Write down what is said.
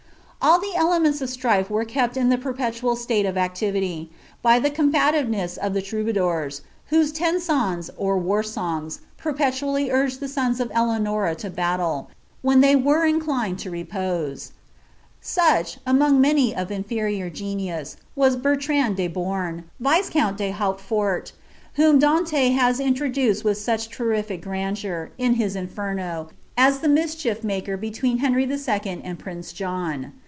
All the elements of strife were kept in a perpetual slate of actitkfi by the combativeness of the troubadours, whose tensons, or W *0$ft perpetually urged the sons of Elcanora to batde, when ihoy WW inclined lo repose Such, among many of inferior genius, was BnlB ' de Bom, viscoum de Hauteforle, whom Danie has inlroduccd with n lerrilic grandeur, in his Inferno, aa the mischief maker betwr<en H^n II. and prince John.